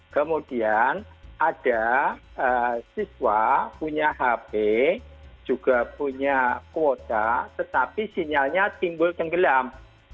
kemudian ada siswa punya hp juga punya kuota tetapi sinyalnya timbul tenggelam